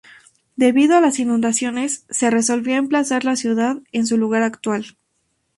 Debido a las inundaciones, se resolvió emplazar la ciudad en su lugar actual.